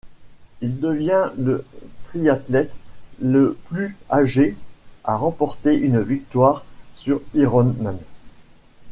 Il devient le triathlète le plus âgé à remporter une victoire sur Ironman.